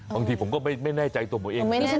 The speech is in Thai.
บางทีผมก็ไม่แน่ใจตัวผมเอง